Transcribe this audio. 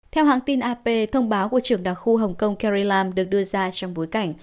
theo hãng tin ap thông báo của trưởng đặc khu hồng kông kerrylam được đưa ra trong bối cảnh